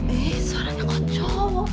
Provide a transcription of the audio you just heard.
eh suaranya kocok